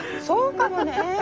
そうかもね。